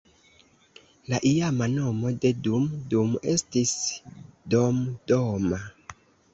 La iama nomo de Dum Dum estis "Domdoma".